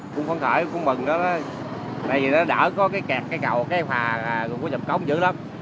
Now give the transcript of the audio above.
cũng phấn khởi cũng mừng đó bởi vì nó đỡ có cái kẹt cây cầu cây hòa của vàm cống dữ lắm